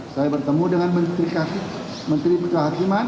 saya bertemu dengan menteri kehakiman